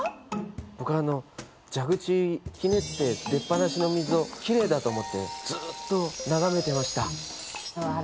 僕あの蛇口ひねって出っ放しの水をきれいだと思ってずっと眺めてました。